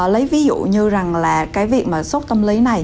lấy ví dụ như rằng là cái việc mà sốt tâm lý này